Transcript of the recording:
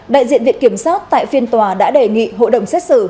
đại diện viện kiểm sát tại phiên tòa đã đề nghị hội đồng xét xử